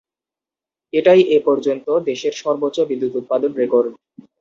এটাই এ পর্যন্ত দেশের সর্বোচ্চ বিদ্যুৎ উৎপাদনের রেকর্ড।